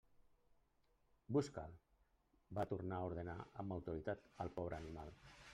Busca'l! –va tornar a ordenar amb autoritat al pobre animal.